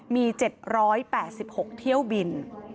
มี๗๘๖เที่ยวบิน